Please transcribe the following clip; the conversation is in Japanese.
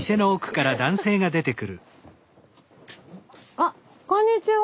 あこんにちは。